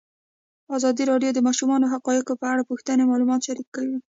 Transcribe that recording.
ازادي راډیو د د ماشومانو حقونه په اړه رښتیني معلومات شریک کړي.